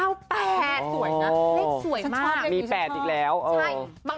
เลขสวยมากฉันชอบเงินอยู่ฉันชอบ